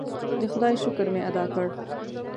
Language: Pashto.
د خدای شکر مې ادا کړ.